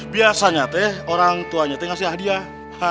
biasanya tuh orang tuanya tuh ngasih hadiah